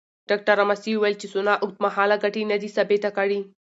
ډاکټره ماسي وویل چې سونا اوږدمهاله ګټې ندي ثابته کړې.